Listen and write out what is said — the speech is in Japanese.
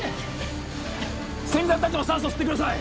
千住さん達も酸素吸ってください